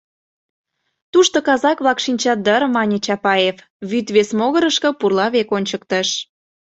— Тушто казак-влак шинчат дыр, — мане Чапаев, вӱд вес могырышко пурла век ончыктыш.